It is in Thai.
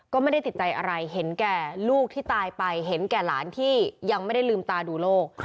ก็ไม่ได้ติดใจอะไรเห็นแก่ลูกที่ตายไปเห็นแก่หลานที่ยังไม่ได้ลืมตาดูโลก